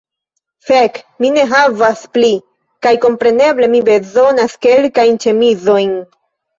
Fek', mi ne havas pli. Kaj kompreneble mi bezonas kelkajn ĉemizojn